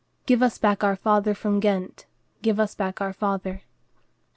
"Give us back our father from Ghent, Give us back our father."